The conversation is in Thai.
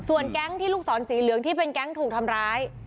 แก๊งที่ลูกศรสีเหลืองที่เป็นแก๊งถูกทำร้าย